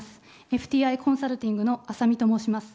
ＦＴＩコンサルティングのアサミと申します。